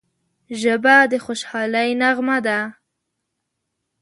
ژبه د خوشحالۍ نغمه ده